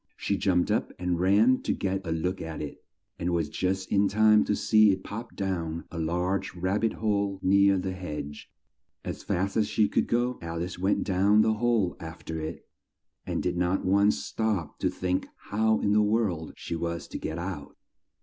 She jumped up and ran to get a look at it, and was just in time to see it pop down a large rab bit hole near the hedge. As fast as she could go, Al ice went down the hole af ter it, and did not once stop to think how in the world she was to get out.